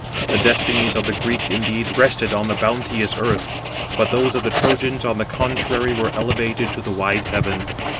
The destinies of the Greeks, indeed, rested on the bounteous earth, but those of the Trojans on the contrary were elevated to the wide heaven.